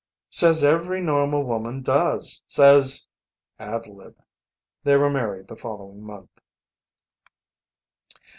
Says every normal woman does. Says " Ad lib. They were married the following month.